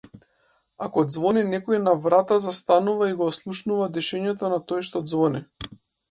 Ако ѕвони некој на врата застанува и го ослушнува дишењето на тој што ѕвони.